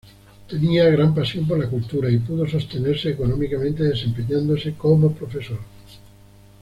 Tenía gran pasión por la cultura y pudo sostenerse económicamente desempeñándose como profesor.